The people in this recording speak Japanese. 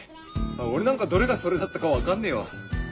俺なんかどれがそれだったか分かんねえわ。